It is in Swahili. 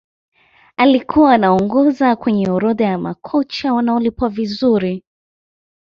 alikuwa anaongoza kwenye orodha ya makocha wanaolipwa vizuri